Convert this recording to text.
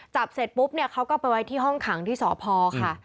จับเสร็จปุ๊บเขาก็ไปไว้ที่ห้องขังที่สภค่ะ